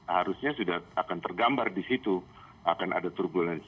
harusnya sudah akan tergambar di situ akan ada turbulensi